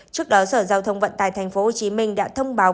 trước đó sở giao thông vận tài tp hcm đã thông báo